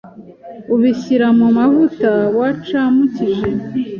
ubishyira mu mavuta wacamukije